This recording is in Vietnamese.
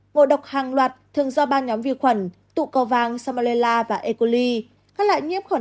ngộ độc hàng loạt thường do ba nhóm vi khuẩn tụ cầu vàng samalela và ecoli